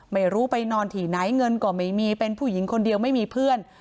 ไม่รู้ไปนอนที่ไหนเงินก็ไม่มีเป็นผู้หญิงคนเดียวไม่มีเพื่อน